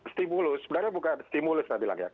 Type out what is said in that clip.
stimulus sebenarnya bukan stimulus saya bilang ya